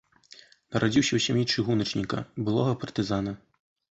Нарадзіўся ў сям'і чыгуначніка, былога партызана.